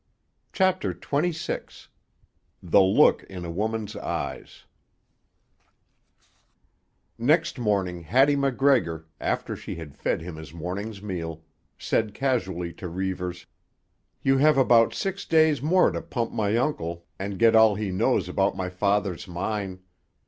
CHAPTER XXVI—THE LOOK IN A WOMAN'S EYES Next morning Hattie MacGregor, after she had fed him his morning's meal, said casually to Reivers: "You have about six days more to pump my uncle and get all he knows about my father's mine.